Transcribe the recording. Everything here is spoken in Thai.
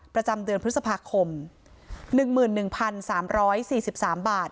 ประจำเดือนพฤษภาคมหนึ่งหมื่นหนึ่งพันสามร้อยสี่สิบสามบาท